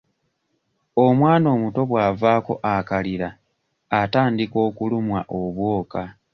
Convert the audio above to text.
Omwana omuto bw'avaako akalira atandika okulumwa obwoka.